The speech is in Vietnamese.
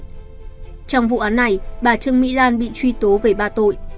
trong vụ án này bà trương mỹ lan bị truy tố về ba tội